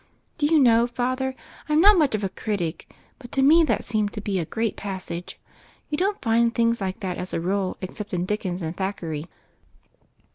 Do you know. Father, I'm not much of a critic, but to me that seemed to be a great passage. You don't find things like that, as a rule, except in Dickens and Thackeray."